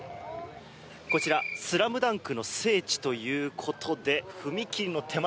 こちら「ＳＬＡＭＤＵＮＫ」の聖地ということで踏切の手前